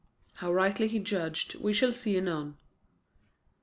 How rightly he judged we shall see anon.